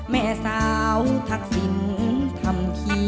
แม่เสาถักสิ่งทำพี